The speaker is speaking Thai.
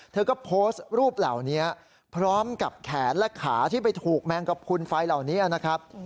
เธอก็โพสต์รูปเหล่านี้พร้อมกับแขนและขาที่ไปถูกแมงกระพุนไฟเหล่านี้นะครับ